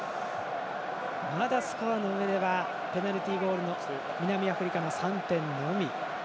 まだ、スコアの上ではペナルティゴールの南アフリカの３点のみ。